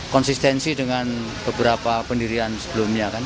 konsistensi dengan beberapa pendirian sebelumnya kan